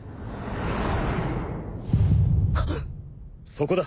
そこだ。